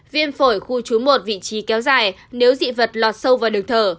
viêm phổi khu trú một vị trí kéo dài nếu dị vật lọt sâu vào đường thở